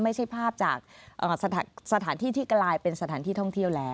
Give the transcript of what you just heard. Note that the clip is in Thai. ไม่ใช่ภาพจากสถานที่ที่กลายเป็นสถานที่ท่องเที่ยวแล้ว